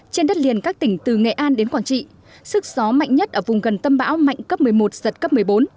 trên đất liền các tỉnh từ nghệ an đến quảng trị sức gió mạnh nhất ở vùng gần tâm bão mạnh cấp một mươi một giật cấp một mươi bốn